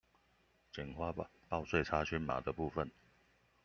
簡化報稅查詢碼的部分